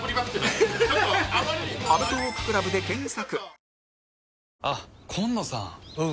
「アメトーーク ＣＬＵＢ」で検索